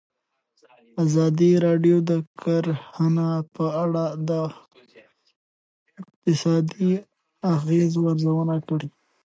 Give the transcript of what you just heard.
ازادي راډیو د کرهنه په اړه د اقتصادي اغېزو ارزونه کړې.